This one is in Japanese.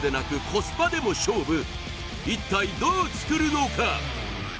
一体どう作るのか？